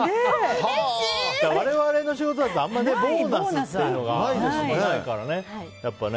我々の仕事だとあんまりボーナスっていうのがないからね。